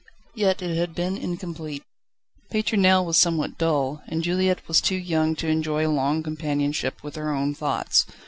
Yet it had been incomplete! Pétronelle was somewhat dull, and Juliette was too young to enjoy long companionship with her own thoughts.